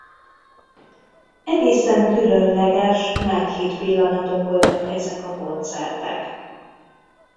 Egészen különleges meghitt pillanatok voltak ezek a koncertek.